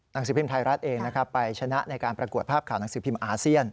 หนังสือพิมพ์ไทยรัฐเองนะครับไปชนะในการประกวดภาพข่าวหนังสือพิมพ์อาเซียน